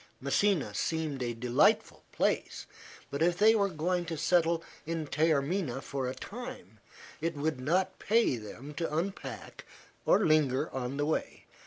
Messina seemed a delightful place, but if they were going to settle in Taormina for a time it would not pay them to unpack or linger on the way.